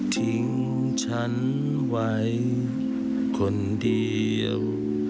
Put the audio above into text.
ทิ้งฉันไว้คนเดียว